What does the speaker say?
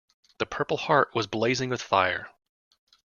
The purple heart was blazing with fire.